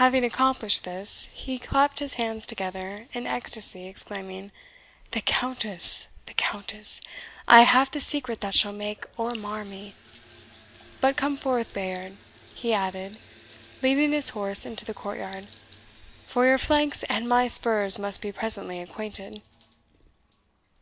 Having accomplished this, he clapped his hands together in ecstasy, exclaiming, "The Countess the Countess! I have the secret that shall make or mar me. But come forth, Bayard," he added, leading his horse into the courtyard, "for your flanks and my spurs must be presently acquainted."